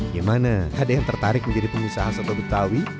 gimana ada yang tertarik menjadi pengusaha soto betawi